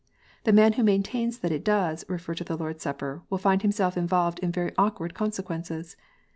The man who maintains that it does refer to the Lord s Supper, will find himself involved in very awkward consequences.